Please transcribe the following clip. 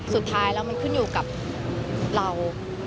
สุดท้ายแล้วมันขึ้นอยู่กับเรา